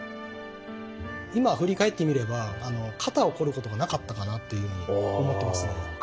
今振り返ってみれば肩をこることがなかったかなっていうふうに思ってますね。